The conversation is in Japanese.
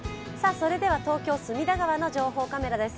東京・隅田川の情報カメラです。